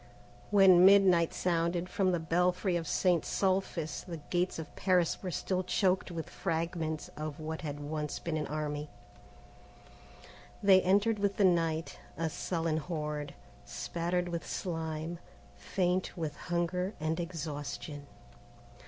IV When midnight sounded from the belfry of St. Sulpice the gates of Paris were still choked with fragments of what had once been an army. They entered with the night, a sullen horde, spattered with slime, faint with hunger and exhaustion.